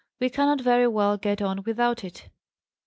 We cannot very well get on without it.